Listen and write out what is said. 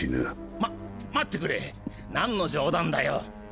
ま待ってくれ何の冗談だよ。